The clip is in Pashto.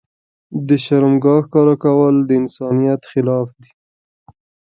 د شرمګاه ښکاره کول د انسانيت خلاف دي.